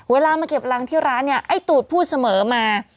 เวลามาเก็บรังที่ร้านเนี่ยไอ้ตูดพูดเสมอมา